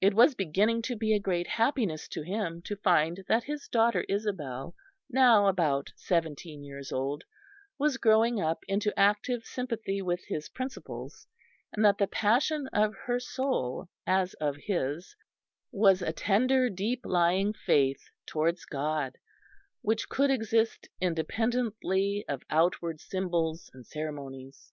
It was beginning to be a great happiness to him to find that his daughter Isabel, now about seventeen years old, was growing up into active sympathy with his principles, and that the passion of her soul, as of his, was a tender deep lying faith towards God, which could exist independently of outward symbols and ceremonies.